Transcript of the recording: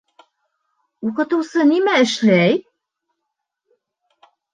Уҡытыусы нимә эшләй?